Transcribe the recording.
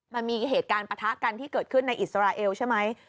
มันมีเหตุการณ์ปะทะกันที่เกิดขึ้นในอิสราเอลใช่ไหม